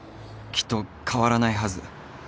きっと変わらないはず